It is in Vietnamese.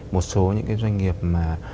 một số những cái doanh nghiệp mà